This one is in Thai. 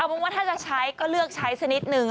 เป็นว่าถ้าจะใช้ก็เลือกใช้สักนิดนึง